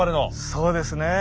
そうですね。